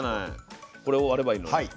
これを割ればいいのね。